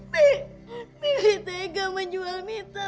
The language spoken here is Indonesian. mi mi minta ego menjual minta